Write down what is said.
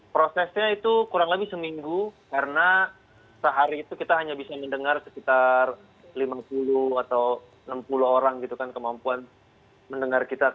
prosesnya itu kurang lebih seminggu karena sehari itu kita hanya bisa mendengar sekitar lima puluh atau enam puluh orang gitu kan kemampuan mendengar kita